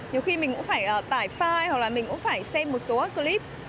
nhiều khi mình cũng phải tải file hoặc là mình cũng phải xem một số clip